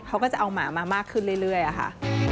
เขาก็จะเอาหมามามากขึ้นเรื่อยอะค่ะ